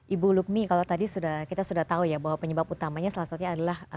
ibu lukmi kalau tadi kita sudah tahu ya bahwa penyebab utamanya salah satunya adalah